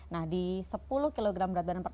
nah di sepuluh kg tadi kita lihat berat badannya dulu